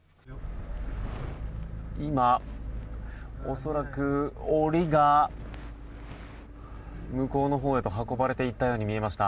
今、恐らく檻が向こうのほうへと運ばれたように見えました。